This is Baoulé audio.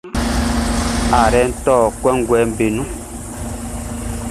Ayrɛʼn tɔ kɔnguɛʼm be nun.